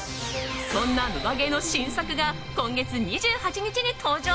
そんな「野田ゲー」の新作が今月２８日に登場。